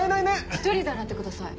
１人で洗ってください。